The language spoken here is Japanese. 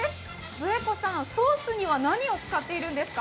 ブエコさん、ソースには何を使っていますか？